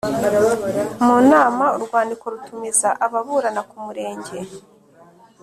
mu nama Urwandiko rutumiza ababurana k’umurenge